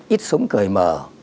ít sống cởi mở